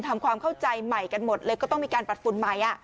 ทำความเข้าใจใหม่กันหมดเลยก็ต้องมีการปรัดฝุ่นใหม่